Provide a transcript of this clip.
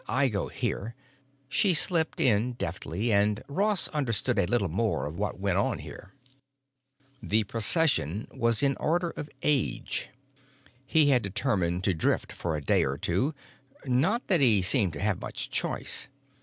I go here——" She slipped in deftly, and Ross understood a little more of what went on here. The procession was in order of age. He had determined to drift for a day or two—not that he seemed to have much choice.